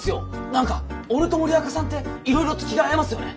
何か俺と森若さんっていろいろと気が合いますよね。